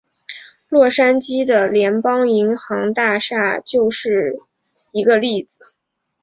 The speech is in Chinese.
洛杉矶的联邦银行大厦就是一个例子。